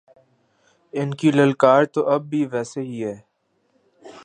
ان کی للکار تو اب بھی ویسے ہی ہے۔